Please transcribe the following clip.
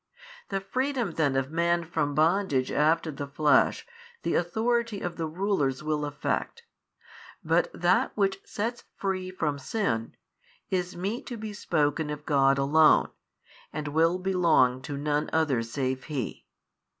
The freedom then of man from bondage after the flesh the authority of the rulers will effect, but that which sets free from sin, is meet to be spoken of God Alone and will belong to none other save He.